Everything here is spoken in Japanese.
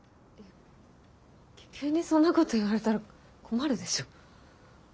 急にそんなこと言われたら困るでしょ。